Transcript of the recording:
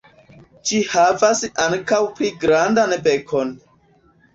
Ĝi havas ankaŭ pli grandan bekon.